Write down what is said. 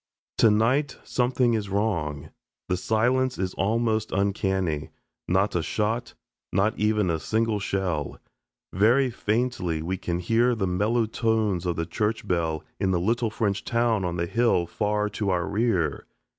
Tonight something is wrong. The silence is almost uncanny. Not a shot not even a single shell. Very faintly we can hear the mellow tones of the church bell in the little French town on the hill far to our rear.